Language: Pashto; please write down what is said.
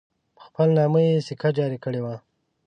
په خپل نامه یې سکه جاري کړې وه.